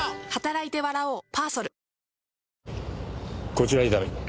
こちら伊丹。